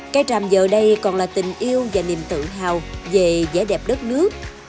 cây tràm giờ đây còn là tình yêu và niềm tự hào về vẻ đẹp đất nước